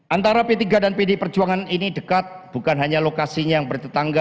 antara p tiga dan pd perjuangan ini dekat bukan hanya lokasinya yang bertetangga